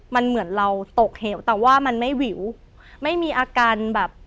มันเหมือนเราตกเหวแต่ว่ามันไม่วิวไม่มีอาการแบบ